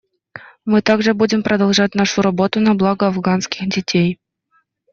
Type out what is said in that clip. Мы также будем продолжать нашу работу на благо афганских детей.